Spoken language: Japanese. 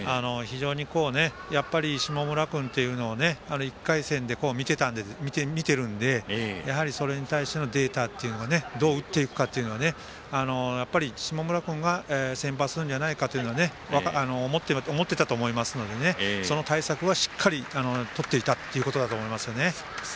やっぱり下村君というのを１回戦で見てるので、やはりそれに対してのデータっていうのがどう打っていくかというのを下村君が先発するのではないかと思っていたと思いますのでその対策はしっかりとっていたっていうことだと思います。